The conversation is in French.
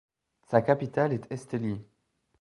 Sa capitale est Estelí.